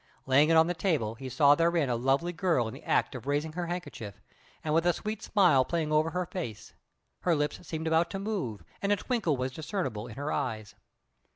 Laying it on the table, he saw therein a lovely girl in the act of raising her handkerchief, and with a sweet smile playing over her face; her lips seemed about to move, and a twinkle was discernible in her eyes.